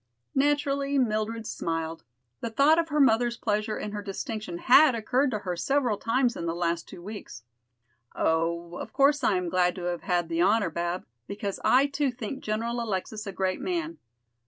Naturally Mildred smiled. The thought of her mother's pleasure in her distinction had occurred to her several times in the last two weeks. "Oh, of course I am glad to have had the honor, Bab, because I too think General Alexis a great man.